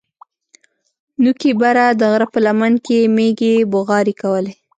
نوکي بره د غره په لمن کښې مېږې بوغارې کولې.